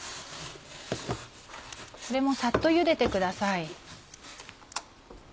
これもサッとゆでてください。